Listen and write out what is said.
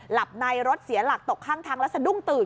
หลับในรถเสียหลักตกข้างทางแล้วสะดุ้งตื่น